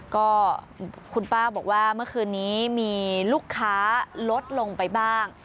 ก็คุณป้าบอกว่าเมื่อคืนนี้มีลูกค้าลดลงไปบ้าง